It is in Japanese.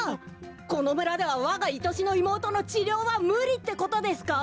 このむらではわがいとしのいもうとのちりょうはむりってことですか？